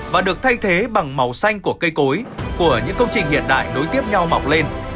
và được thay thế bằng màu xanh của cây cối của những công trình hiện đại đối tiếp nhau mọc lên